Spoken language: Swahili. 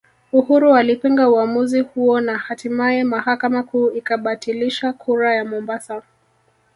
Uhuru alipinga uamuzi huo na hatimaye mahakama kuu ikabatilisha kura ya Mombasa